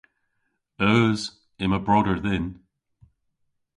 Eus. Yma broder dhyn.